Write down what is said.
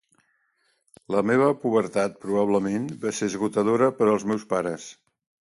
La meva pubertat probablement va ser esgotadora per als meus pares.